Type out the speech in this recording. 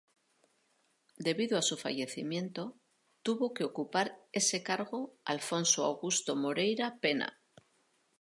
Debido a su fallecimiento, tuvo que ocupar este cargo Afonso Augusto Moreira Pena.